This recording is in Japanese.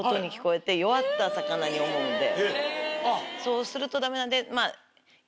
そうするとダメなんで。